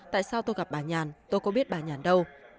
tại sao tôi gặp bà nhàn tôi có biết bà nhàn đâu